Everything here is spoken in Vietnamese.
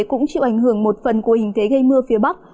cũng chịu ảnh hưởng một phần của hình thế gây mưa phía bắc